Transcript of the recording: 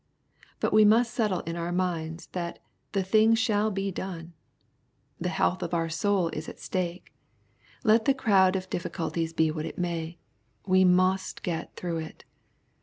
Bat we must settle in our minds, that the thing shall be done. The health of our soul is at stake. Let the crowd of difficulties be what it maj^ we must get through it.